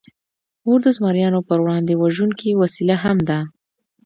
اور د زمریانو پر وړاندې وژونکې وسله هم ده.